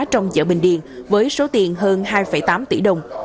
trong chợ bình điền với số tiền hơn hai tám tỷ đồng